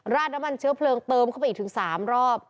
น้ำมันเชื้อเพลิงเติมเข้าไปอีกถึง๓รอบ